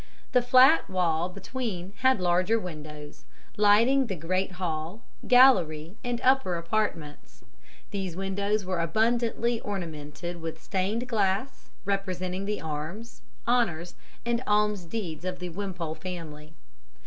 The flat wall between had larger windows, lighting the great hall, gallery, and upper apartments. These windows were abundantly ornamented with stained glass, representing the arms, honours, and alms deeds of the Wimpole family.